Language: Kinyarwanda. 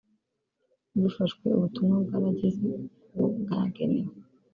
bifashwe ubutumwa bwarageze kuwo bwagenewe